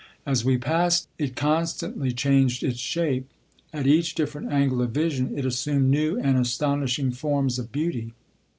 As we passed, it constantly changed its shape; at each different angle of vision it assumed new and astonishing forms of beauty.